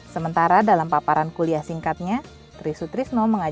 sementara dalam paparan kuliah singkatnya trisut trismo mengajak seorang pembicaraan yang berpengalaman